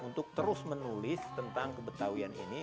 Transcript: untuk terus menulis tentang kebetawian ini